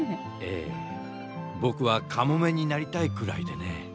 ええぼくはカモメになりたいくらいでね。